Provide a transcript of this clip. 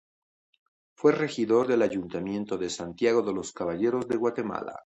Fue regidor del ayuntamiento de Santiago de Los Caballeros de Guatemala.